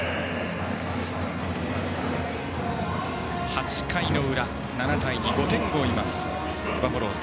８回の裏、７対２５点を追うバファローズ。